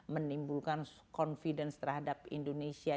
menimbulkan confidence terhadap indonesia